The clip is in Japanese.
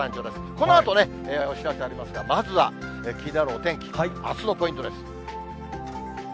このあとお知らせありますが、まずは気になるお天気、あすのポイントです。